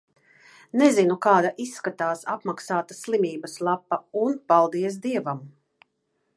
Nezinu, kāda izskatās apmaksāta "slimības lapa". Un, paldies Dievam.